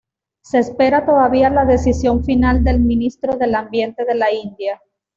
Se espera todavía la decisión final del Ministro del Ambiente de la India.